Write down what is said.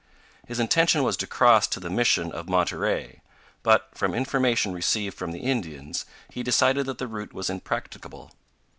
His intention was to cross to the Mission of Monterey; but, from information received from the Indians, he decided that the route was impracticable.